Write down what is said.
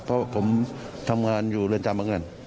เพราะผมทำงานอยู่เรือนจำเหมือนกัน